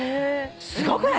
すごくない？